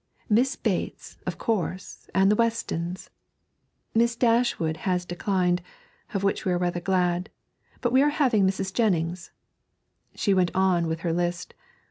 Miss Bates, of course, and the Westons. Mrs. Dashwood has declined, of which we are rather glad, but we are having Mrs. Jennings.' So she went on with her list.